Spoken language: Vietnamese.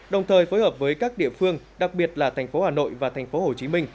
đồng thời phối hợp với các địa phương đặc biệt là tp hà nội và tp hồ chí minh